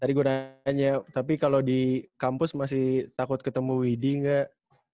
tadi gue nanya tapi kalau di kampus masih takut ketemu widi enggak